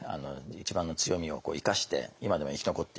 一番の強みを生かして今でも生き残っている。